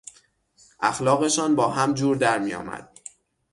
اخلاقشان با هم جور درمیآمد.